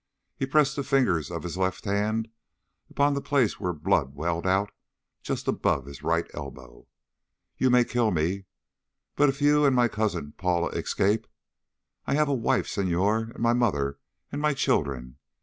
He pressed the fingers of his left hand upon the place where blood welled out, just above his right elbow. "You may kill me. But if you and my cousin Paula escaped.... I have a wife, Senhor, and my mother, and my children.